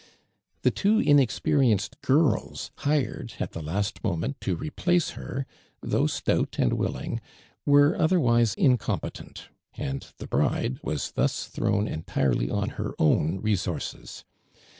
The two inexperienced girls hired at the last moment to replace her, tiiough stout and willing, were other wise incompetent, and the bride was thus thrown entirely on her own resources.